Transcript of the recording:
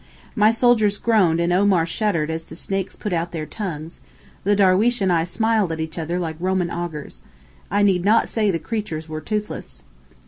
My sailors groaned and Omar shuddered as the snakes put out their tongues—the darweesh and I smiled at each other like Roman augurs. I need not say the creatures were toothless.